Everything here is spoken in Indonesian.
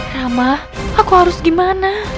rama aku harus gimana